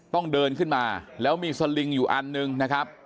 ต้องเดินขึ้นมาแล้วมีสลิงอยู่อันหนึ่งนะครับ